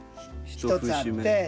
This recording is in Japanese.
１つあって。